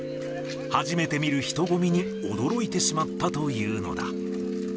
初めて見る人混みに驚いてしまったというのだ。